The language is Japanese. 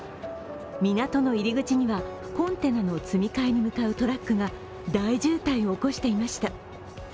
港の入り口にはコンテナの積み替えに向かうトラックが大渋滞を起こしていました。